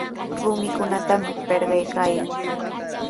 Rumikunatami pirqaykaayan.